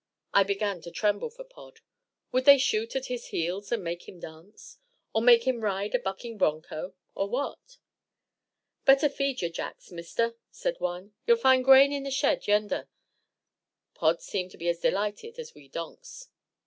I began to tremble for Pod. Would they shoot at his heels and make him dance? Or make him ride a bucking bronco? Or what? "Better feed yer jacks, Mister," said one; "ye'll find grain in th' shed yender." Pod seemed to be as delighted as we donks.